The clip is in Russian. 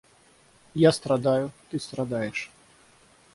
Я страдаю, ты страдаешь.